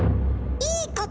いいこと？